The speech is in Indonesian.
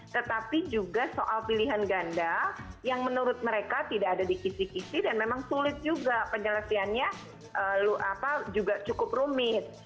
tetapi juga soal pilihan ganda yang menurut mereka tidak ada di kisi kisi dan memang sulit juga penyelesaiannya juga cukup rumit